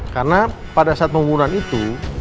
karena pada saat pembunuhan itu